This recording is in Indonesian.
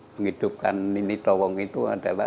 menghidupkan ini tawong itu adalah